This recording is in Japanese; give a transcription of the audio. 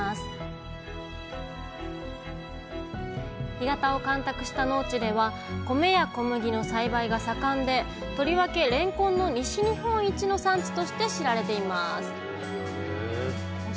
干潟を干拓した農地では米や小麦の栽培が盛んでとりわけれんこんの西日本一の産地として知られています